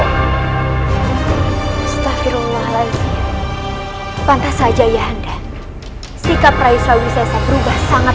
montafi roh nangis pantas saja ya anda sikap rai surawi saya berubah sangat